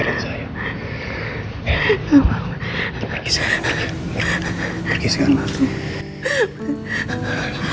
pergi sekarang pergi pergi sekarang